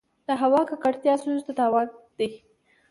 د هوا ککړتیا سږو ته تاوان دی.